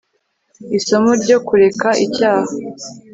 isomo rya ro kureka icyah